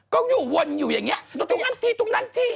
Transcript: ก็อยู่วนอยู่อย่างนี้ตรงนั้นที่ตรงนั้นที่